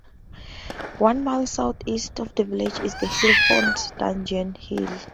One mile south-east of the village is the hill fort Dungeon Hill.